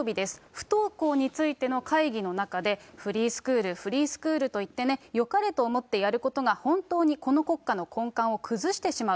不登校についての会議の中で、フリースクール、フリースクールといってね、よかれと思ってやることが、本当にこの国家の根幹を崩してしまう。